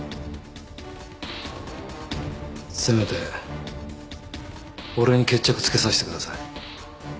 せめて俺に決着つけさせてください。